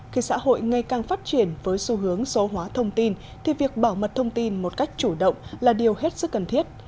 khi xã hội ngày càng phát triển với xu hướng số hóa thông tin thì việc bảo mật thông tin một cách chủ động là điều hết sức cần thiết